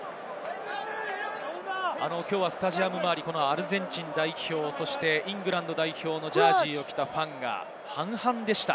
きょうはスタジアム周り、アルゼンチン代表、イングランド代表のジャージーを着たファンが半々でした。